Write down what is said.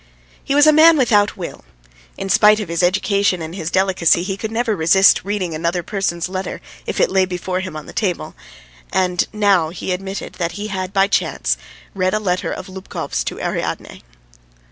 He was a man without will; in spite of his education and his delicacy he could never resist reading another person's letter, if it lay before him on the table. And now he admitted that he had by chance read a letter of Lubkov's to Ariadne.